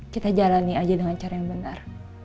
kita jalani aja dengan cara yang benar